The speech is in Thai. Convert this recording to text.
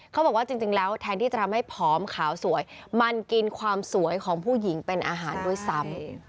เขาบอกว่าจริงแล้วแทนที่จะทำให้ผอมขาวสวยมันกินความสวยของผู้หญิงเป็นอาหารด้วยซ้ำ